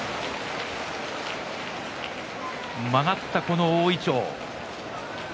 曲がった大いちょう。